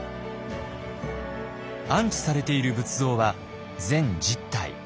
安置されている仏像は全１０体。